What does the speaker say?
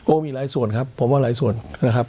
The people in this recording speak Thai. มีหลายส่วนครับผมว่าหลายส่วนนะครับ